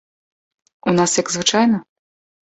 У нас як звычайна?